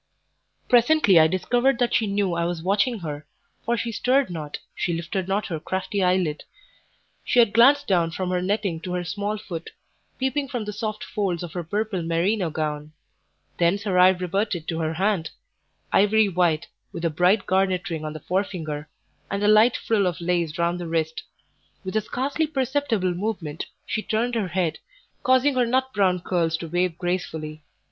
Presently I discovered that she knew I was watching her, for she stirred not, she lifted not her crafty eyelid; she had glanced down from her netting to her small foot, peeping from the soft folds of her purple merino gown; thence her eye reverted to her hand, ivory white, with a bright garnet ring on the forefinger, and a light frill of lace round the wrist; with a scarcely perceptible movement she turned her head, causing her nut brown curls to wave gracefully.